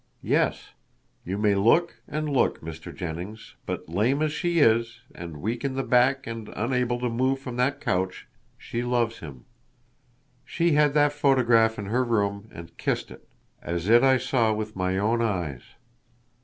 Yes. You may look and look, Mr. Jennings, but lame as she is and weak in the back and unable to move from that couch, she loves him. She had that photograph in her room and kissed it, as it I saw with my own eyes.